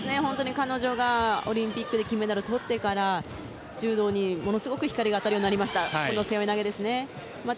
彼女がオリンピックで金メダルを取ってから柔道にものすごく光が当たるようになりました。